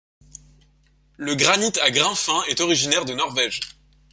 Le granite, à grain fin, est originaire de Norvège.